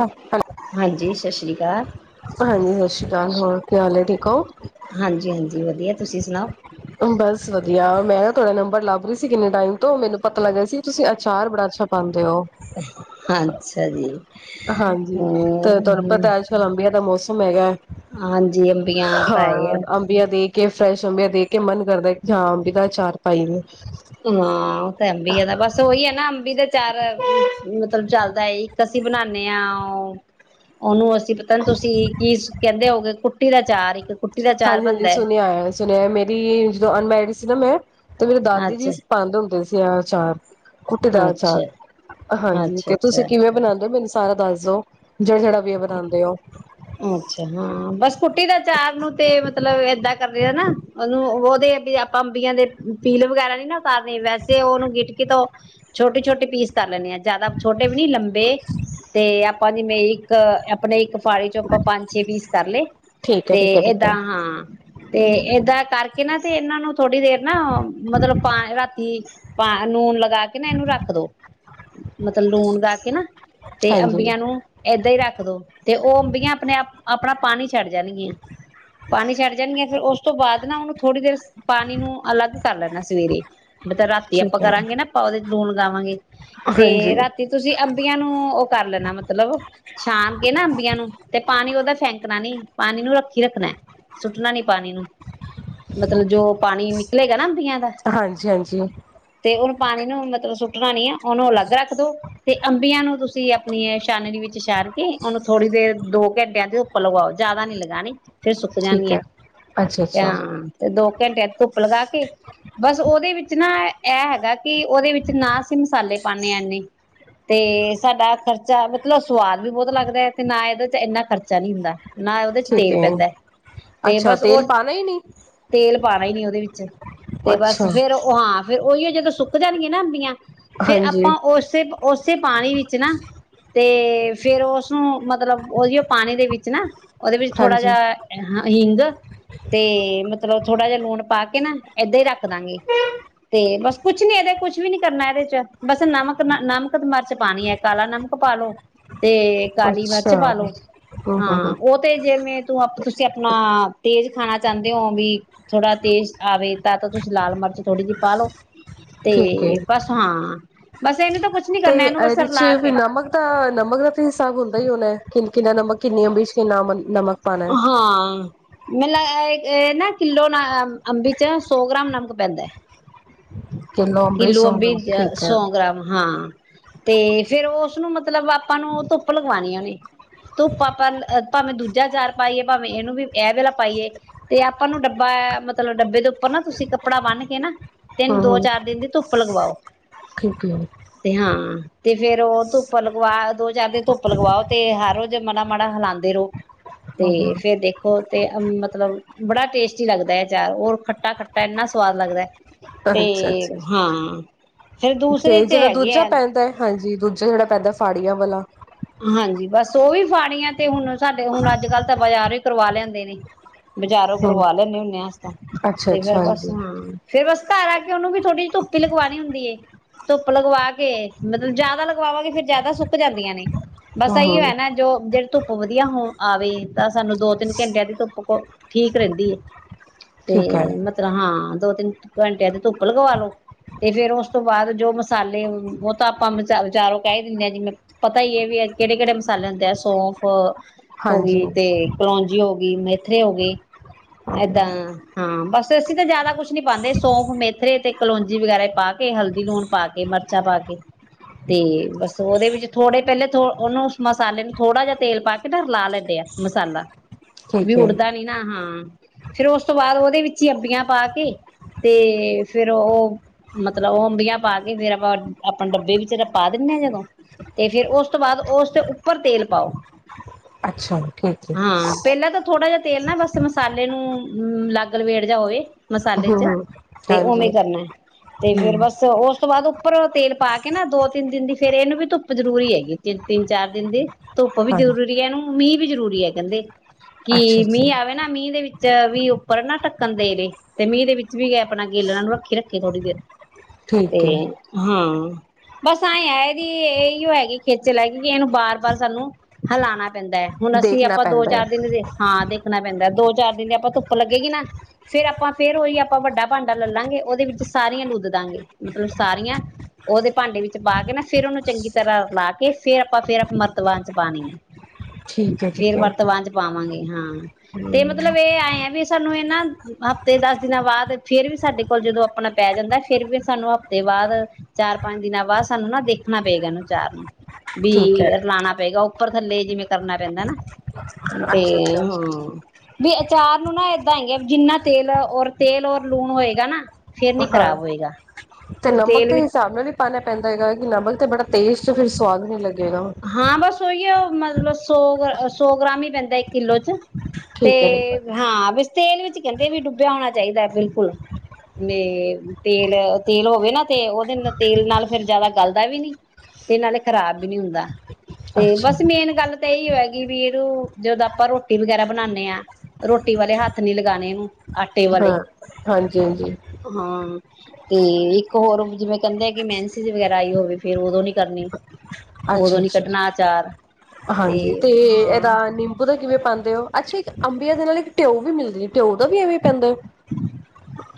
ਹ ਹੈਲੋ, ਹਾਂਜੀ ਸਤਿ ਸ੍ਰੀ ਅਕਾਲ ਹਾਂਜੀ ਸਤਿ ਸ਼੍ਰੀ ਅਕਾਲ ਹੋਰ ਕੀ ਹਾਲ ਹੈ ਠੀਕ ਹੋ, ਹਾਂਜੀ ਹਾਂਜੀ ਵਧੀਆ ਤੁਸੀਂ ਸੁਣਾਓ, ਬਸ ਵਧੀਆ ਮੈਂ ਨਾ ਤੁਹਾਡਾ ਨੰਬਰ ਲੱਭ ਰਹੀ ਸੀ ਕਿੰਨੇ ਟਾਈਮ ਤੋਂ ਮੈਨੂੰ ਪਤਾ ਲੱਗਿਆ ਸੀ ਤੁਸੀਂ ਅਚਾਰ ਬੜਾ ਅੱਛਾ ਪਾਉਂਦੇ ਹੋ। ਹਾਂ ਅੱਛਾ ਜੀ, ਹਾਂਜੀ ਤੇ ਤੁਹਾਨੂੰ ਹਮ ਪਤਾ ਅੱਜ ਕੱਲ ਅੰਬੀਆ ਦਾ ਮੌਸਮ ਫੁੱਲ ਹੈਗਾ, ਹਾਂਜੀ ਅੰਬੀਆਂ ਤਾਂ ਹਾਂ ਹੈਗਾ, ਅੰਬੀਆਂ ਦੇ ਕੇ ਫਰੈਸ਼ ਅੰਬੀਆਂ ਦੇ ਕੇ ਮਨ ਕਰਦਾ ਕਿ ਹਾਂ ਅੰਬੀ ਅਚਾਰ ਪਾਈਏ, ਹਾਂ ਉਹ ਤੇ ਅੰਬੀਆਂ ਦਾ ਬਸ ਉਹੀ ਹੈ ਨਾ ਅੰਬੀ ਦਾ, ਚਾਰ ਮਤਲਬ ਚੱਲਦਾ ਹੈ ਇੱਕ ਅਸੀਂ ਬਣਾਨੇ ਹਾਂ ਉਹ ਉਹਨੂੰ ਅਸੀਂ, ਪਤਾ ਤੁਸੀਂ ਕੀ ਕਹਿੰਦੇ ਹੋਗੇ ਕੁੱ- ਟੀ ਦਾ ਚਾਰ ਇੱਕ ਕੁ- ਹਾਂਜੀ ਹਾਂਜੀ ਸੁਣਿਆ ਸੁਣਿਆ ਮੇਰੀ ਜਦੋਂ ਅਨਮੈਰਿਡ ਇਸ ਦਾ ਮੈਂ [unintelligible] ਤੇ ਮੇਰੇ ਦਾਦੀ ਜੀ ਅੱਛਾ ਸੀ ਪਾਂਦੇ ਹੁੰਦੇ ਸੀ। ਕਹਿੜਾ ਆਚਾਰ, ਕੁੁੱਟ ਦਾ ਅਚਾਰ ਅੱਛਾ ਹਾਂਜੀ ਅੱਛਾ ਤੇ ਤੁਸੀਂ ਅੱਛਾ ਕਿਵੇਂ ਬਣਾਉਦੇ ਹੋ ਮੈਨੂੰ ਸਾਰਾ ਦੱਸ ਦੋ- ਜਿਹੜਾ-ਜਿਹੜਾ ਵੀ ਇਹ ਬਣਾਦੇ ਔ ਅੱਛਾ ਹਾਂ ਬਸ ਕੁੱਟੀ ਦਾ ਚਾਰ ਨੂੰ ਤੇ ਮਤਲਬ ਏਦਾਂ ਕਰ ਰੇ ਆ ਨਾ ਉਹਨੂੰ ਉਹਦੇ ਵੀ ਆਪਾਂ ਅੰਬੀਆਂ ਦੇ ਪੀਲ ਵਗੈਰਾ ਨੀ ਨਾ ਉਤਾਰਨ ਵੈਸੇ ਉਹਨੂੰ ਗਿਟਕੀ ਤੋਂ ਛੋਟੇ-ਛੋਟੇ ਪੀਸ, ਕਰ ਲੈਂਣੇ ਹਾਂ ਜਿਆਦਾ ਛੋਟੇ ਵੀ ਨੀ ਲੰਬੇ ਤੇ ਆਪ- ਆਪਾਂ ਵੀ ਨਹੀਂ ਇੱਕ [unintelligible] ਆਪਾਂ ਪੰਜ ਛੇ ਪੀਸ ਕਰ ਲਏ ਠੀਕ ਹੈ ਤੇ ਠੀਕ ਹੈ ਠੀਕ ਏਦਾਂ ਹੈ ਹਾਂ ਤੇ ਏਦਾ ਕਰ ਇਹਨਾਂ ਤੇ ਇਹਨਾਂ ਨੂੰ, ਥੋੜ੍ਹੀ ਦੇਰ ਨਾ ਮਤਲਬ ਪਾ ਰਾਤੀ, ਪਾ ਨੂਨ ਲੱ ਗਾ ਕੇ ਨਾ ਇਹਨੂੰ ਰੱਖ ਦੋ ਮਤਲਬ ਲੂਣ ਗਾ ਕੇ ਨਾ ਤੇ ਹਾਂਜੀ ਅੰਬੀਆਂ ਨੂੰ ਏਦਾਂ ਹੀ ਰੱਖ ਦੋ ਤੇ ਉਹ ਅੰਬੀਆਂ- ਥੋੜਾ ਪਾਣੀ ਛੱਡ ਜਾਣਗੀਆਂ ਪਾਣੀ ਛੱਡ ਜਾਣਗੀਆਂ ਫੇਿਰ ਉਸ ਤੋਂ ਬਾਅਦ ਨਾ ਉਹਨੂੰ ਥੋੜ੍ਹੀ ਦੇਰ ਪਾਣੀ ਨੂੰ ਅਲੱਗ ਕਰ ਲੈਣਾ ਸਵੇਰੇ ਮੈਂ ਤਾਂ ਰਾਤੀ ਠੀਕ ਆਪਾਂ ਹੈ ਕਰਾਂਗੇ ਨਾ ਆਪਾਂ ਉਹਦੇ ਚ ਲੂਣ ਲਗਾਵਾਂਗੇ ਤੇ ਹਾਂਜੀ ਰਾਤੀ ਤੁਸੀਂ ਅੰਬੀਆਂ ਨੂੰ ਉਹ ਕਰ ਲੈਣਾ ਮਤਲਬ ਛਾਮ ਕੇ ਨਾ ਅੰਬੀਆਂ ਨੂੰ ਤੇ ਪਾਣੀ ਉਹਦਾ ਫੈਂਕਣਾ ਨੀ ਪਾਣੀ ਨੂੰ ਰੱਖੀ ਰੱਖਣਾ ਸੁੱਟਣਾ ਨੀ ਪਾਣੀ ਨੂੰ ਮਤਲਬ ਜੋ ਪਾਣੀ ਨਿਕਲੇਗਾ ਨਾ ਅੰਬੀਆਂ ਦਾ ਹਾਂਜੀ ਹਾਂਜੀ ਤੇ ਉਹ ਪਾਣੀ ਨੂੰ ਮਤਲਬ ਸੁੱਟਣਾੀ ਆ ਉਹਨੂੰ ਅਲੱਗ ਰੱਖ ਦੋ ਤੇ ਅੰਬੀਆਂ ਨੂੰ ਤੁਸੀਂ ਆਪਣੀ ਛਾਨੇ ਦੀ ਵਿੱਚ ਛਾਰ ਕੇ ਉਹਨੂੰ ਥੋੜੀ ਦੇਰ ਦੋ ਘੰਟਿਆਂ ਤੇ ਉੱਪਰ ਲਗਾਓ ਜਿਆਦਾ ਨੀ ਲਗਾਣੀ ਫਿਰ ਸੁੱਕ ਠੀਕ ਜਾਣੀਆਂ ਹੈ ਅੱਛਾ ਤੇ ਅੱਛਾ ਹ ਤੇ ਦੋ ਘੰਟੇ ਲਗਾ ਕੇ ਬਸ ਉਹਦੇ ਵਿੱਚ ਨਾ ਇਹ ਹੈਗਾ ਕਿ ਉਹਦੇ ਵਿੱਚ ਨਾ ਸੀ ਮਸਾਲੇ ਪਾਦੇ ਆੇ ਤੇ ਸਾਡਾ ਖਰਚਾ ਮਤਲਬ ਸਵਾਦ ਵੀ ਬਹੁਤ ਲੱਗਦਾ ਤੇ ਨਾ ਇਹਦੇ ਤੇ ਇੰਨਾ ਖਰਚਾ ਨਹੀਂ ਹੁੰਦਾ ਨਾ ਉਹਦੇ ਚ ਠੀਕ ਤੇਲ ਹੈ ਪੈਂਦਾ ਤੇ ਅੱਛਾ ਬਸ ਉਹ ਤੇਲ ਪਾਉਣਾ ਹੀ ਨਹੀਂ ਤੇਲ ਪਾਉਣਾ ਹੀ ਨੀ ਉਹਦੇ ਵਿੱਚ ਤੇ ਅੱਛਾ ਬਸ ਫੇਰ ਉਹ ਹਾਂ ਫੇਿਰ ਉਹੀਓ ਜਦੋਂ ਸੁੱਕ ਜਾਣੀਆਂ ਨਾ ਆੁੰਦੀਆਂ ਫੇਰ ਹਾਂਜੀ ਆਪਾਂ ਉਸੇ ਉਸਓੇ ਪਾਣੀ ਵਿੱਚ ਨਾ ਤੇ ਫੇਰ ਉਸਨੂੰ ਮਤਲਬ ਉਹਦੀ ਉਹ ਪਾਣੀ ਦੇ ਵਿੱਚ ਨਾ ਉਹਦੇ ਵਿੱਚ ਥੋੜਾ ਹਾਂਜੀ ਜਿਹਾ ਅਿੰਗ ਤੇ ਮਤਲਬ ਥੋੜਾ ਜਹਾ ਲੂਣ ਪਾ ਕੇ ਨਾ ਏਦਾਂ ਹੀ ਰੱਖ ਦਾਂਗੇ ਤੇ ਬਸ ਕੁਛ ਨੀ ਇਹਦੇ ਕੁਛ ਵੀ ਨੀ ਕਰਨਾ ਇਹਦੇ ਚ ਬਸ ਨਮਕ ਨਮਕ ਤੇ ਮਿਰਚ ਪਾਣੀ ਹੈ ਕਾਲਾ ਨਮਕ ਪਾ ਲੋੋ ਤੇ ਕਾਲੀ ਮਿਰਚ ਅੱਛਾ ਪਾ ਹਮ ਲੋ ਹਮ ਹਮ ਹਾਂ ਉਹ ਤੇ ਜਿਵੇਂ ਤੂੰ ਤੁਸੀਂ ਆਪਣਾ ਤੇਜ ਖਾਣਾ ਚਾਹੁੰਦੇ ਹੋ ਵੀ ਥੋੜ੍ਹਾ ਤੇਜ਼ ਆਵੇ ਤਾਂ ਤਾਂ ਤੁਸੀਂ ਲਾਲ ਮਿਰਚ ਥੋੜ੍ਹੀ ਜਿਹੀ ਪਾ ਲੋਓ ਠੀਕ ਹੈ ਬਸ ਇਹਨੂੰ ਤਾਂ ਕੁਛ ਨੀ ਤੇ ਕਰਨਾ ਇਹਨੂੰ ਬਸ ਇਹਦੇ ਚ ਰਲਾ ਵੀ ਕੇ ਨਮਕ ਦਾ ਨਮਕ ਦਾ ਵੀ ਹਿਸਗ ਹੁੰਦਾ ਹੀ ਹੋਣਾ ਹੈ ਕਿੰਨਾ ਨੰਬ ਕਿੰਨੀਆਂ ਬਸ਼ੰਨਾ ਮੰਨ ਹਾਂ ਮਤ ਨਾ ਕਿੱਲੋ ਅੰਬੀ ਚ ਸੌ ਗ੍ਰਾਮ ਨਮਕ ਪੈਂਦਾ ਹੈ ਕਿੰਨਾ ਅੰਬੀਚ ਕਿਲੂ ਅੰਬੀ ਹੋਊਗਾ ਠੀਕ ਹੈ ਸੌ ਗ੍ਰਾਮ ਹਾਂ ਤੇ ਫਿਰ ਉਸਨੂੰ ਮਤਲਬ ਆਪਾਂ ਨੂੰ ਉਹ ਧੁੱਪ ਲਗਵਾਉਣੀ ਉਹਨੇ ਤੂੰ ਪਾਪਾ ਭਾਵੇਂ ਦੂਜਾ ਚਾਰ ਪਾਈਏ ਭਾਵੇਂ ਇਹਨੂੰ ਵੀ ਇਹ ਵੇਲਾ ਪਾਈਏ ਤੇ ਆਪਾਂ ਨੂੰ ਡੱਬਾ ਮਤਲਬ ਡੱਬੇ ਦੇ ਉੱਪਰ ਨਾ ਤੁਸੀਂ ਕੱਪੜਾ ਬੰਨ ਕੇ ਨਾ ਤਿੰਨ ਹਮ ਦੋ ਹਮ ਚਾਰ ਦਿਨ ਦੀ ਧੁੱਪ ਲਗਵਾਓ ਠੀਕ ਹੈ ਤੇ ਹਾਂ ਤੇ ਫਿਰ ਉਹ ਧੁੱਪ ਲਗਵਾ ਦੋ ਜਦ ਵੀ ਧੁੱਪ ਲਗਵਾਓ ਤੇ ਹਰ ਰੋਜ਼ ਤੇ ਮਨਾ ਮਾੜਾ ਹਿਲਾਉਂਦੇ ਰਹੋ ਤੇ ਹਮ ਹਮ ਫਿਰ ਦੇਖੋ ਅਤੇ ਮਤਲਬ ਬੜਾ ਟੇਸਟੀ ਲੱਗਦਾ ਹੈ ਚਾਰ ਰ ਖੱਟਾ ਖੱਟਾ ਇੰਨਾ ਸਵਾਦ ਲੱਗਦਾ ਤੇ ਅੱਛਾ ਅੱਛਾ ਹਾਂ ਫੇਰ ਦੂਸਰੇ ਤੇ ਚ ਜਿਹੜਾ ਹੈਗੇ ਦੂਜਾ ਆ ਪੈਂਦਾ ਹੈ ਹਾਂਜੀ ਦੂਜਾ ਜਿਹੜਾ ਪੈਦਾ ਫਾੜੀਆਂ ਵਾਲਾ ਹਾਂਜੀ ਬਸ ਉਹ ਵੀ ਫਾਣੀਆ ਤੇ ਹੁਣ ਸਾਡੇ ਹੁਣ ਅੱਜ ਕੱਲ ਤਾਂ ਬਾਜ਼ਾਰ ਹੀ ਕਰਵਾ ਲੈਂਦੇ ਨੇ ਬਜਾਰੋ ਹਮ ਕਰਵਾ ਲੈਨੇ ਹੁੰਨੇ ਅਸ ਤਾਂ ਅੱਛਾ ਤੇ ਅੱਛਾ ਫਿਰ ਬਸ ਹਾਂਜੀ ਹਾਂ ਫਿਰ ਬਸ ਹਾਲਾਂਕਿ ਉਹਨੂੰ ਵੀ ਥੋੜੀ ਧੁੱਪ ਹੀ ਲਗਵਾਉਣੀ ਹੁੰਦੀ ਹ ਧੁੱਪ ਲਗਵਾ ਕੇ ਮੈਨੂੰ ਜਿਆਦਾ ਲਗਵਾਵਾਂਗੇ ਫਿਰ ਜਿਆਦਾ ਸੁੱਕ ਜਾਂਦੀਆਂ ਨੇ ਬਸ ਹਮ ਇਹੀ ਹਮ ਹੈ ਨਾ ਜੋ ਧੁੱਪ ਵਧੀਆ ਹੂਣ ਆਵੇ ਤਾਂ ਸਾਨੂੰ ਦੋ ਤਿੰਨ ਘੰਟਿਆਂ ਦੀ ਧੁੱਪ ਠੀਕ ਰਹਿੰਦੀ ਐ ਠੀਕ ਹੈ ਤੇ ਮਤਲਬ ਹਾਂ ਦੋ ਤਿਨ ਘੰਟਿਆਂ ਤੇ ਧੁੱਪ ਲਗਵਾ ਲਓ ਤੇ ਫਿਰ ਉਸ ਤੋਂ ਬਾਅਦ ਜੋ ਮਸਾਲੇ ਬਹੁਤਾ ਆਪਾਂ ਚਾਰ ਉਹ ਕਹਿ ਦਿੰਦੇ ਆ ਜੀ ਪਤਾ ਹੀ ਹ ਕਿਹੜੇ ਕਿਹੜੇ ਮਸਾਲਾ ਹੁੰਦੇ ਆ ਸੋਫ ਹਾਂਜੀ ਹੋਗੀ ਤੇ ਕਲੋਂਜੀ ਹੋ ਗੀ ਬੀ ਮੇਥੇਰੇ ਹੋ ਗਏ ਇਦਾਂ ਹਾਂ ਬਸ ਅਸੀਂ ਤਾਂ ਜਿਆਦਾ ਕੁਝ ਨਹੀਂ ਬਣਦੇ ਸੋ ਮੇਤਰੇ ਤੇ ਕਲੌਂਜੀ ਵਗੈਰਾ ਪਾ ਕੇ ਹਲਦੀ ਲੂਣ ਪਾ ਕੇ ਬਰਛਾ ਪਾ ਕੇ ਤੇ ਬਸ ਉਹਦੇ ਵਿੱਚ ਥੋੜੇ ਪਹਿਲੇ ਤੋ ਉਹਨੂੰ ਮਸਾਲੇ ਨੂੰ ਥੋੜਾ ਜਿਹਾ ਤੇਲ ਪਾ ਕੇ ਧਰ ਲਾ ਲੈਂਦੇ ਆ ਮਸਾਲਾ ਨੀ ਠੀਕ ਹੈ ਉਡਦਾ ਨਹੀਂ ਨਾ ਹਾਂ ਫਿਰ ਉਸ ਤੋਂ ਬਾਅਦ ਉਹਦੇ ਵਿੱਚ ਹੀ ਅੱੱਬੀਆਂ ਪਾ ਕੇ ਤੇ ਫਿਰ ਉਹ ਮਤਲਬ ਅੰਬੀਆਂ ਪਾ ਕੇ ਫਿਰ ਆਪਾਂ ਡੱਬੇ ਵਿੱਚ ਤਾਂ ਪਾ ਦਿੰਦੇ ਆ ਜਦੋਂ ਤੇ ਫਿਰ ਉਹ ਤੋਂ ਬਾਅਦ ਉਸ ਦੇ ਉੱਪਰ ਤੇਲ ਪਾਓ ਅੱਛਾ ਠੀਕ ਹੈ ਹਾਂ ਪਹਿਲਾਂ ਤਾਂ ਥੋੜਾ ਜਿ ਤੇਲ ਨਾ ਬਸ ਮਸਾਲੇ ਨੂੰ ਲੱਗ ਲਵੇੜ ਜਿਹਾ ਹੋਵੇ ਮਸਾਲੇ ਹਮ ਚ ਹਮ ਤੇ ਹਾਂਜੀ ਉਵੇਂ ਕਰਨਾ ਤੇ ਫਿਰ ਹਮ ਬਸ ਉਸ ਤੋਂ ਬਾਅਦ ਉਪਰੋ ਤੇਲ ਪਾ ਕੇ ਨਾ ਦੋ ਤਿੰਨ ਦਿਨ ਦੀ ਫਿਰ ਇਹਨੂੰ ਵੀ ਧੁੱਪ ਜਰੂਰੀ ਹੈਗੀ ਤਿੰਨ ਤਿੰਨ ਚਾਰ ਦਿਨ ਦੀ ਧੁੱਪ ਵੀ ਹਾਂਜੀ ਜਰੂਰੀ ਇਹਨੂੰ, ਮੰਮੀ ਜਰੂਰੀ ਹ ਕਹਿੰਦੇ ਅੱਛਾ ਕਿ ਅੱਛਾ ਮੀਂਹ ਆਵੇ ਨਾ ਮੀਂਹ ਦੇ ਵਿੱਚ ਵੀ ਉੱਪਰ ਨਾ ਢੱਕਣ ਦੇ ਰਹੇ ਤੇ ਮੀਂਹ ਦੇ ਵਿੱਚ ਵੀ ਗਏ ਆਪਣਾ ਗਿੱਲ ਨੂੰ ਰੱਖੀ ਰੱਖੇ ਥੋੜ੍ਹੀ ਦੇਰ ਤੇ ਠੀਕ ਹੈ ਹਾਂ ਬਸ ਆਏ ਐ, ਏ ਦੀ ਬਸ ਅਹਿਓ ਹੈਗੀ ਖੇਕਲ ਹੈਗੀ ਕੀ ਇਹਨੂੰ ਬਾਰ ਬਾਰ ਸਾਨੂੰ ਹਿਲਾਣਾ ਪੈਂਦਾ, ਹੁਣ ਅਸੀਂ ਦੇਖਣਾ ਆਪਾਂ ਦੋ ਪੈਂਦਾ ਚਾਰ ਹੈ ਦਿਨ ਹਾਂ ਦੇ ਰੱਖਣਾ ਪੈਂਦਾ। ਦੋ ਚਾਰ ਦਿਨ ਆਪਾਂ ਧੁੱਪ ਲੱਗੇਗੀ ਨਾ ਫਿਰ ਆਪਾਂ ਫਿਰ ਉਹੀ ਆਪਾਂ ਵੱਡਾ ਭਾਂਡਾ ਲੈ ਲਾਂਗੇ ਉਹਦੇ ਵਿੱਚ ਸਾਰੀਆਂ ਲੂਦ ਦਾਂਗੇ ਮਤਲਬ ਸਾਰੀਆਂ ਉਹਦੇ ਭਾਂਡੇ ਵਿੱਚ ਪਾ ਕੇ ਨਾ ਫਿਰ ਉਹਨੂੰ ਚੰਗੀ ਤਰ੍ਹਾਂ ਐ ਫੇਰ ਆਪਾਂ ਫੇਰ ਮਰਤਬਾਨ ਚ ਪਾਉਣੀ ਆ ਠੀਕ ਹੈ ਫੇਰ ਠੀਕ ਹੈ ਮਰਤਬਾਨ ਚ ਪਾਵਾਂਗੇ ਹਾਂ ਤੇ ਮਤਲਬ ਇਹ ਆਏ ਆ ਵੀ ਸਾਨੂੰ ਇਹ ਨਾ ਹਫ਼ਤੇ ਦਸ ਦਿਨਾਂ ਬਾਅਦ ਫਿਰ ਵੀ ਸਾਡੇ ਕੋਲ ਜਦੋਂ ਆਪਣਾ ਪੈ ਜਾਂਦਾ ਫਿਰ ਵੀ ਸਾਨੂੰ ਹਫ਼ਤੇ ਬਾਅਦ ਚਾਰ ਪੰਜ ਦਿਨਾਂ ਬਾਅਦ ਸਾਨੂੰ ਨਾ ਦੇਖਣਾ ਪਏਗਾ ਇਹਨੂੰ ਆਚਾਰ ਨੂੰ। ਵੀ ਠੀਕ ਹੈ ਰਲਾਣਾ ਪਏਗਾ। ਉਹ ਉੱਪਰ ਥੱਲੇ ਜਿਵੇਂ ਕਰਨਾ ਪੈਂਦਾ ਨਾ ਤੇ ਅੱਛਾ ਅੱਛਾ ਹਾਂ ਵੀ ਅਚਾਰ ਨੂੰ ਨਾ ਏਦਾਂ ਹੈਗਾ ਜਿੰਨਾ ਤੇਲ ਔਰ ਤੇਲ ਔਰ ਲੂਣ ਹੋਏਗਾ ਨਾ। ਫਿਰ ਨੀ ਹਾਂ ਖ਼ਰਾਬ ਹੋਏਗਾ ਤੇ ਨਮਕ ਤੇਲ ਦੇ ਵਿੱਚ ਹਿਸਾਬ ਨਾਲ ਹੀ ਪਾਉਣਾ ਪੈਂਦਾ ਹੈਗਾ ਵੇ। ਨਮਕ ਤੇ ਬੜਾ ਤੇਜ ਤੇ ਫਿਰ ਸੁਵਾਦ ਵੀ ਨਹੀਂ ਲਗੇਗਾ ਜਗਾੋਂ [unintelligible] ਓਹੀ ਹੋ ਮਤਲਬ ਸੌ ਸੌ ਗ੍ਰਾਮ ਹੀ ਪੈਂਦਾ ਇੱਕ ਕਿੱਲੋ ਚ ਤੇ ਠੀਕ ਹੈ ਠੀਕ ਹੈ ਹਾਂ ਤੇਲ ਵਿੱਚ ਕਹਿੰਦੇ ਵੀ ਡੁੱਬਿਆ ਹੋਣਾ ਚਾਹੀਦਾ ਹੈ ਬਿਲਕੁਲ ਤੇ ਤੇਲ ਤੇਲ ਹੋਵੇ ਨਾ ਤੇ ਉਹਦੇ ਨਾਲ ਤੇਲ ਨਾਲ ਫਿਰ ਜਿਆਦਾ ਗਲਦਾ ਵੀ ਨੀ ਤੇ ਨਾਲੇ ਖਰਾਬ ਵੀ ਨੀ ਹੁੰਦਾ ਤੇ ਅੱਛਾ ਬਸ ਮੇਨ ਗੱਲ ਤਾਂ ਇਹੀ ਹੈਗੀ ਵੀ ਇਹਨੂੰ ਜਦੋਂ ਆਪਾਂ ਰੋਟੀ ਵਗੈਰਾ ਬਣਾਉਂਦੇ ਆ ਰੋਟੀ ਵਾਲੇ ਹੱਥ ਨੀ ਲਗਾਉਣੇ ਇਹਨੂੰ ਆਟੇ ਵਾਲੇ ਹਾਂ ਹਾਂਜੀ ਹਾਂਜੀ ਹਾਂ ਤੇ ਇੱਕ ਹੋਰ ਜਿਵੇਂ ਕਹਿੰਦੇ ਆ ਕਿ ਮੈਨਸੀਸ ਵਗੈਰਾ ਆਈ ਹੋਵੇ ਫਿਰ ਉਦੋਂ ਨੀ ਕਰਨੀ ਅੱਛਾ ਉਦੋਂ ਨੀ ਅੱਛਾ ਕੱਢਣਾ ਅਚਾਰ ਹਾਂਜੀ ਤੇ ਇਹਦਾ ਹਾਂ ਨਿੰਬੂ ਦਾ ਕਿਵੇਂ ਪਾਉਂਦੇ ਹੋ ਅੱਛਾ ਇੱਕ ਅੰਬੀਆਂ ਦੇ ਨਾਲ ਇੱਕ ਟਿਓ ਵੀ ਮਿਲਦੀ ਐ ਟਿਓ ਦਾ ਵੀ ਐਵੇਂ ਪੈਂਦਾ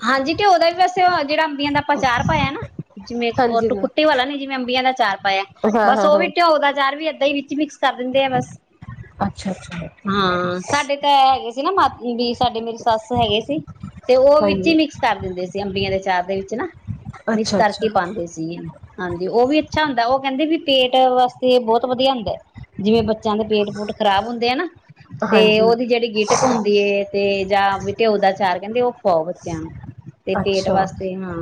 ਹਾਂਜੀ ਤੇ ਉਹਦਾ ਵੀ ਵੈਸੇ ਜਿਹੜਾ ਅੰਬੀਆਂ ਦਾ ਆਚਾਰ ਪਾਇਆ ਨਾ ਜਿਵੇਂ ਹਾਂਜੀ ਉਹ ਕੁੱਟੀ ਵਾਲਾ ਨੀ ਜਿਵੇਂ ਅੰਬੀਆਂ ਦਾ ਆਚਾਰ ਪਾਇਆ ਹਾਂ ਬਸ ਹਾਂ ਉਹ ਹਾਂ ਵੀ ਟਿਓ ਦਾ ਚਾਰ ਵੀ ਏਦਾਂ ਹੀ ਜੀ ਮਿਕਸ ਕਰ ਦਿੰਦੇ ਆ ਬਸ ਅੱਛਾ ਅੱਛਾ ਠੀਕ ਹੈ ਹਾਂ ਸਾਡੇ ਤਾਂ ਹੈਗੇ ਸੀ ਨਾ ਮਾ ਵੀ ਸਾਡੇ ਮੇਰੀ ਸੱਸ ਹੈਗੇ ਸੀ ਤੇ ਉਹ ਵਿੱਚ ਹਾਂਜੀ ਹੀ ਮਿਕਸ ਕਰ ਦਿੰਦੇ ਸੀ ਤੇ ਅੰਬੀਆਂ ਦੇ ਚਾਰ ਦੇ ਵਿੱਚ ਨਾ ਮਿਕਸ ਅੱਛਾ ਕਰਕੇ ਅੱਛਾ ਹੀ ਪਾਉਂਦੇ ਸੀਗੇ ਹਾਂਜੀ ਉਹ ਵੀ ਅੱਛਾ ਹੁੰਦਾ ਉਹ ਕਹਿੰਦੇ ਵੀ ਪੇਟ ਵਾਸਤੇ ਬਹੁਤ ਵਧੀਆ ਹੁੰਦਾ ਜਿਵੇਂ ਬੱਚਿਆਂ ਦੇ ਪੇਟ ਪੂਟ ਖ਼ਰਾਬ ਹੁੰਦੇ ਆ ਨਾ ਤੇ ਹਾਂਜੀ ਉਹਦੀ ਜਿਹੜੀ ਗਿਟਕ ਹੁੰਦੀ ਏ ਤੇ ਜਾਂ ਟਿਓ ਦਾ ਚਾਰ ਕਹਿੰਦੇ ਉਹ ਖਵਾਓ ਬੱਚਿਆਂ ਨੂੰ ਤੇ ਪੇਟ ਅੱਛਾ ਵਾਸਤੇ ਹਾਂ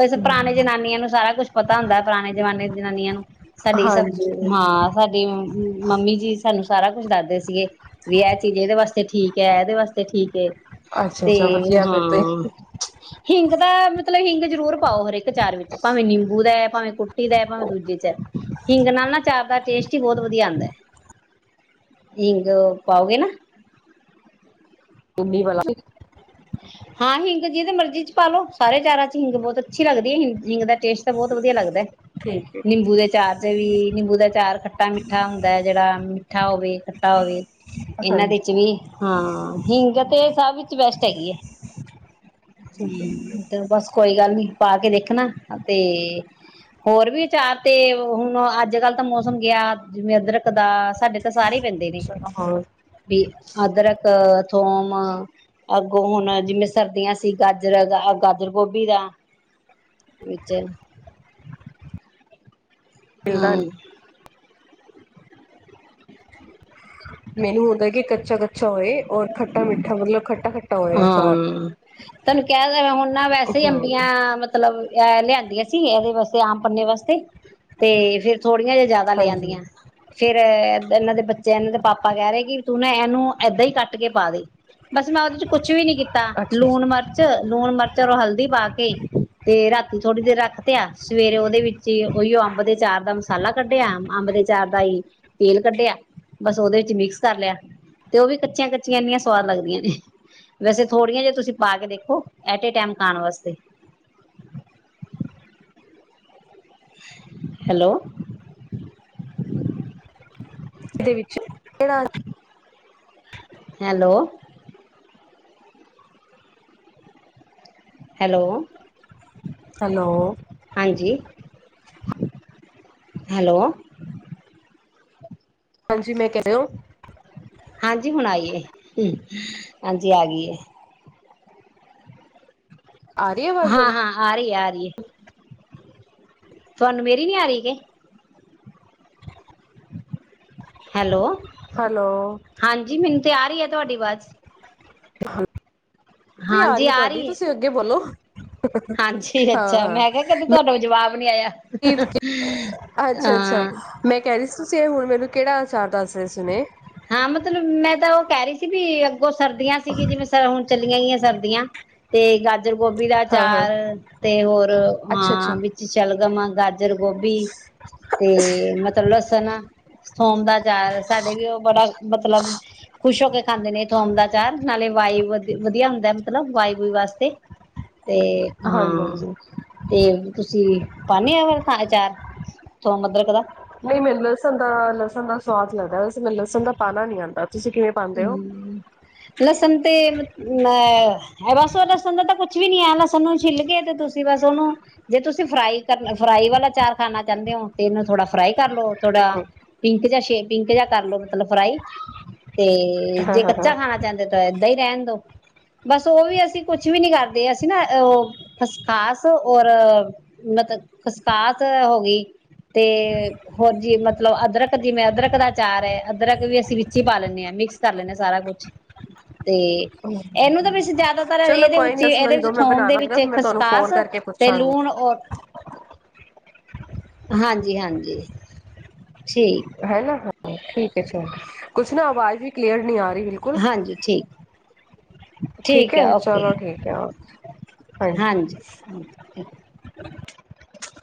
ਬਸ ਪੁਰਾਣੇ ਹਮ, ਜਨਾਨੀਆਂ ਨੂੰ ਸਾਰਾ ਕੁਛ ਪਤਾ ਹੁੰਦਾ ਪੁਰਾਣੇ ਜਮਾਨੇ ਦੀ ਜਨਾਨੀਆਂ ਨੂੰ ਸਾਡੀ ਸ ਹਾਂਜੀ ਹਾਂ ਸਾਡੀ [unintelligible] ਮੰਮੀ ਜੀ ਸਾਨੂੰ ਸਾਰਾ ਕੁਛ ਦੱਸਦੇ ਸੀਗੇ ਵੀ ਇਹ ਚੀਜ਼ ਇਹਦੇ ਵਾਸਤੇ ਠੀਕ ਹੈ ਇਹਦੇ ਵਾਸਤੇ ਠੀਕ ਅੱਛਾ ਤੇ ਅੱਛਾ ਵਧੀਆ ਫਿਰ ਤੇ ਹਾਂ ਹਿੰਗ ਦਾ ਮਤਲਬ ਹਿੰਗ ਜ਼ਰੂਰ ਪਾਓ ਹਰੇਕ ਚਾਰ ਵਿੱਚ ਭਾਵੇਂ ਨਿੰਬੂ ਦਾ ਭਾਵੇਂ ਕੁੱਟੀ ਦਾ ਭਾਵੇਂ ਦੂਜੇ ਚ ਹਿੰਗ ਨਾਲ ਨਾ ਚਾਰ ਦਾ ਟੇਸਟ ਹੀ ਬਹੁਤ ਵਧੀਆ ਆਉਂਦਾ ਹਿੰਗ ਪਾਓਗੇ ਨਾ [unintelligible] ਹਾਂ ਹਿੰਗ ਜਿਹਦੇ ਮਰਜ਼ੀ ਚ ਪਾਾਲਓ ਸਾਰੇ ਚਾਰਾਂ ਚ ਹਿੰਗ ਬਹੁਤ ਅੱਛੀ ਲੱਗਦੀ ਹੈ ਹਿੰਗ ਦਾ ਟਸਟ ਤਾਂ ਬਹੁਤ ਵਧੀਆ ਲੱਗਦਾ ਠੀਕ ਹੈ ਨਿੰਬੂ ਦੇ ਚਾਰ ਚ ਵੀ ਨਿੰਬੂ ਦਾ ਚਾਰ ਖੱਟਾ ਮਿੱਠਾ ਹੁੰਦਾ ਹੈ ਜਿਹੜਾ ਮੱਠਾ ਹੋਵੇ ਖੱਟਾ ਹੋਵੇ ਇਹਨਾਂ ਦੇ ਹਾਂਜੀ ਚ ਵੀ ਹਾਂ ਹਿੰਗ ਤੇ ਸਭ ਵਿਚ ਬੈਸਟ ਚ ਹੈ ਠੀਕ ਹੈ ਹਮ ਤੇ ਬਸ ਕੋਈ ਗੱਲ ਨੀ ਪਾ ਕੇ ਦੇਖਣਾ ਤੇ ਹੋਰ ਵੀ ਵਿਚਾਰ ਤੇ ਹੁਣ ਅੱਜ ਕੱਲ੍ਹ ਤਾਂ ਮੌਸਮ ਗਿਆ ਜਿਵੇਂ ਅਦਰਕ ਦਾ ਸਾਡੇ ਤਾਂ ਸਾਰੇ ਪੈਂਦੇ ਨੇ ਚਲੋ ਹੋਰ ਵੀ ਅਦਰਕ ਥੋਮ ਅੱਗੋਂ ਹੁਣ ਜਿਵੇਂ ਸਰਦੀਆਂ ਸੀ ਗਾਜਰ ਗਾਜਰ ਗੋਭੀ ਦਾ ਵਿੱਚ ਮਿਲਦਾ ਹਾਂ ਮੈਨੂੰ ਹੁੰਦਾ ਕਿ ਚਗ ਚੋਏ ਔ ਖਟਾ ਮਿੱਠਾ ਮਤਲਬ ਖੱਟਾ ਖੱਾ ਹਾਂ ਤੁਹਾਨੂੰ ਕਹਿ ਹੁਣ ਨਾ ਵੈਸੇ ਹਮ ਅੰਬੀਆਂ ਮਤਲਬ ਮਤਲਬ ਇਹ ਲਿਆਂਦੀਆਂ ਸੀ ਇਹਦੇ ਵਾਸਤੇ ਆਮ ਪੰਨੇ ਵਾਸਤੇ ਤੇ ਫਿਰ ਥੋੜੀਆਂ ਜਿ ਜਿਆਦਾ ਲੈ ਹਾਂਜੀ ਆਦੀਆਂ ਫੇਿਰ ਇਹਨਾਂ ਦੇ ਬੱਚੇ ਇਹਨਾਂ ਦੇ ਪਾਪਾ ਕਹਿ ਰਹੇ ਕਿ ਤੂੰ ਨਾ ਇਹਨੂੰ ਏਦਾਂ ਹੀ ਕੱਟ ਕੇ ਪਾ ਦੇ ਬਸ ਮੈਂ ਕੁਛ ਵੀ ਨੀ ਕੀਤਾ ਅੱਛਾ ਲੂਣ ਅੱਛਾ ਮਿਰਚ ਲੂਣ ਮਿਰਚ ਔਰ ਹਲਦੀ ਪਾ ਕੇ ਤੇ ਰਾਤੀ ਥੋੜੀ ਦੇਰ ਰੱਖ ਤੇਿਆ ਸਵੇਰੇ ਉਹਦੇ ਵਿੱਚ ਹੀ ਉਹੀ ਅੰਬ ਦੇ ਚਾਰ ਦਾ ਮਸਾਲਾ ਕੱਢਿਆ ਅੰਬ ਦੇ ਚਾਰ ਦਾ ਹੀ ਤੇਲ ਕੱਢਿਆ ਬਸ ਉਹਦੇ ਵਿੱਚ ਮਿਕਸ ਕਰ ਲਿਆ ਤੇ ਉਹ ਵੀ ਕੱਚੀਆਂ ਕੱਚੀਆਂ ਇੰਨੀਆਂ ਸਵਾਦ ਲੱਗਦੀਆਂ ਨੇ ਵੈਸੇ ਥੋੜੀਆਂ ਜਿਆਂ ਤੁਸੀਂ ਪਾ ਕੇ ਦੇਖੋ ਐਟ ਏ ਟਾਈਮ ਖਾਣ ਵਾਸਤੇ ਹੈਲੋ ਇਹਦੇ ਵਿੱਚ ਕਿਹੜਾ ਹੈਲੋ ਹੈਲੋ ਹੈਲੋ ਹਾਂਜੀ ਹੈਲੋ ਹਾਂਜੀ ਮੈਂ ਕਹਿ ਰ ਰਿ ਹੋ ਹਾਂਜੀ ਹੁਣ ਆਈਏ ਹਾਂਜੀ ਆ ਗਈਏ ਆ ਰਹੀ ਆਵਾਜ਼ ਹੁਣ ਹਾਂ-ਹਾਂ ਆ ਰਹੀ ਆ ਰਹੀ ਹੈ। ਤੁਹਾਨੂੰ ਮੇਰੀ ਨੀ ਆ ਰਹੀ ਕਿ, ਹ ਹੈਲੋ, ਹੈਲੋ ਹਾਂਜੀ ਮੈਨੂੰ ਤੇ ਆ ਰਹੀ ਐ। ਤੁਹਾਡੀ ਅਵਾਜ, ਹਾਂ [unintelligible] ਉਹ ਵੀ ਆ ਰਹੀ ਹੈ ਤੁਹਾਡੀ ਤੁਸੀਂ ਅੱਗੇ ਬੋਲੋ, ਹਾਂਜੀ ਹਾਂ ਅੱਛਾ ਹਾਂ ਮੈਂ ਕਿਹਾ ਕਦੇ ਤੁਹਾਡਾ ਜਵਾਬ ਨੀ ਆਇਆ, ਠੀਕ ਹੈ। ਅੱਛਾ ਅੱਛਾ ਮੈਂ ਕਹਿ ਰਹੀ ਸੀ ਤੁਸੀਂ ਹੁਣ ਮੈਨੂੰ ਕਿਹੜਾ ਅਚਾਰ ਦੱਸ ਰਹੇ ਸੀ ਸੁਣੇ, ਹਾਂ ਮਤਲਬ ਮੈਂ ਤਾਂ ਉਹ ਕਹਿ ਰਹੀ ਸੀ ਵੀ, ਬਹੁਤ ਸਰਦੀਆਂ ਸੀਗੀ ਜਿਵੇਂ ਸ ਹੁਣ-' ਚੱਲੀਆਂ ਗਈਆਂ ਸਰਦੀਆਂ ਤੇ ਗਾ ਗਾਜਰ ਗੋਭੀ ਦਾ ਹਾਂ ਹਾਂ ਚਾਰ ਤੇ ਹੋਰ ਅੱਛਾ ਅੱਛਾ ਹਾਂ ਵਿੱਚ ਚਲ, [unintelligible] ਗਾਜਰ ਗੋਭੀ ਤੇ ਮਤਲਬ ਲਸਣ, ਸੋਮ ਦਾ ਚਾਰ ਸਾਡੇ ਵੀ ਉਹ ਬੜਾ ਮਤਲਬ ਖੁਸ਼ ਹੋ ਕੇ ਖਾਂਦੇ ਨੇ ਥੋਮ ਦਾ ਚਾਰ ਨਾਲੇ ਵਾਈ ਵਧ ਵਧੀਆ ਹੁੰਦਾ ਮਤਲਬ ਵਾਈ ਵੁਈ ਵਾਸਤੇ, ਤੇ ਹਾਂਜੀ ਹੂੰ ਹਾਂਜੀ ਤੇ ਤੁਸੀਂ, ਪਨੀ ਐ ਅਚਾਰ ਸੋਮ ਅਦਰਕ ਦਾ, ਨਹੀਂ ਮੈਨੂੰ ਲਸਣ ਦਾ ਲਸਣ ਦਾ ਸਵਾਦ ਲੱਗਦਾ ਵੈਸੇ ਮਨ ਲਸਣ ਦਾ ਪਾਣਾ ਨੀ ਆਦਾ। ਹੂੰ ਲਸਨ, ਤੇ ਅਹ ਇਹ ਬਸ ਉਹ ਲਸਣ ਦਾ ਤਾਂ ਕੁਛ ਵੀ ਨੀ ਹੈ, ਲਸਣ ਨੂੰ ਛਿੱਲ ਕੇ ਤੇ ਤੁਸੀਂ ਬਸ ਉਹਨੂੰ ਜੇ ਤੁਸੀਂ ਫਰਾਈ ਕਰ ਫਰਾਈ ਵਾਲਾ ਚਾਰ ਖਾਣਾ ਚਾਹੁੰਦੇ ਹੋ ਤੇ ਇਹਨੂੰ ਥੋੜਾ ਫਰਾਈ ਕਰ ਲੋ ਥੋੜਾ ਹਾਂ ਪਿੰਕ ਜਾ ਪਿੰਕ ਜਾ ਕਰਲੋ ਮਤਲਬ ਫਰਾਈ। ਤੇ ਹਾਂ ਜੇ ਹਾਂ ਹਾਂ। ਕੱਚਾ ਖਾਣਾ ਚਾਹੁੰਦੇ ਤਾਂ, ਐਦਾ ਹੀ ਰਹਿਣ ਦੋ ਬਸ ਉਹ ਵੀ ਅਸੀਂ ਕੁਛ ਵੀ ਨੀ ਕਰਦੇ, ਅਸੀਂ ਨਾ ਉਹ ਉਹ ਖਸਕਾਸ ਔਰ ਮਤਬ ਖਸਕਾਸ ਹੋ ਗਈ ਤੇ ਹੋਰ ਜੀ ਮਤਲਬ ਅਦਰਕ ਜਿਵੇਂ ਅਦਰਕ ਦਾ ਅਚਾਰ ਹੈ, ਅਦਰਕ ਵੀ ਅਸੀਂ ਵਿੱਚ ਹੀ ਪਾ ਲੈਂਦੇ ਹਾਂ। ਮਿਕਸ ਕਰ ਲੈਂਨੇ ਆ ਸਾਰਾ ਕੁਛ, ਤੇ ਇਹਨੂੰ ਤਾਂ ਵੀ ਜ਼ਿਆਦਾਤਰ ਚਲੋ ਇਹਦੇ ਕੋਈ ਵਿੱਚ ਨੀ ਸੁਣੋ ਇਹਦੇ ਜਦੋਂ ਵਿੱਚ ਮੈਂ ਥੋਮ ਦੇ ਬਣਾਉਣਾ ਹੋਗਾ ਵਿੱਚ ਮੈਂ ਤੁਹਾਨੂੰ ਖਸਕਾਸ ਫੋਨ ਕਰਕੇ ਤੇ ਪੁੱਛਾਂਗੀ ਲੂਣ, ਹਾਂਜੀ-ਹਾਂਜੀ, ਹੈ ਨਾ ਹਾਂ ਠੀਕ ਅੱਛਾ, ਕੁਛ ਨਾ ਆਵਾਜ਼ ਵੀ ਕਲੀਅਰ ਨਹੀਂ ਆ ਬਿਲਕੁਲ ਹਾਂਜੀ ਠੀਕ ਠੀਕ ਹੈ, ਚਲੋ ਠੀਕ ਹੈ ਓਕੇ ਹਾਂਜੀ, [unintelligible]